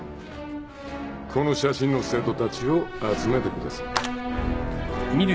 この写真の生徒たちを集めてください。